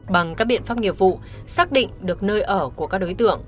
bằng các biện pháp nghiệp vụ xác định được nơi ở của các đối tượng